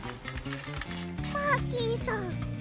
マーキーさん。